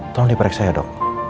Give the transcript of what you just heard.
tolong diperiksa ya dok